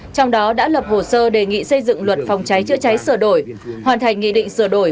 trong đó đã lập hồ sơ đề nghị xây dựng luật phòng cháy chữa cháy sửa đổi hoàn thành nghị định sửa đổi